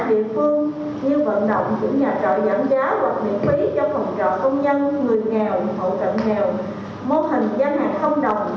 người nghèo hậu cận nghèo mô hình gia hạn không đồng bếp ăn yêu thương siêu thị nghĩa tình siêu thị không đồng